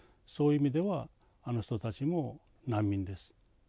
そういう意味ではあの人たちも「難民」です。